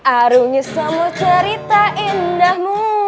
arungi semua cerita indahmu